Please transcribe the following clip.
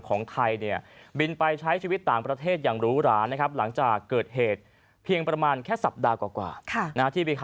ของไทยเนี่ยบินไปใช้ชีวิตต่างประเทศอย่างหรูหรานะครับหลังจากเกิดเหตุเพียงประมาณแค่สัปดาห์กว่า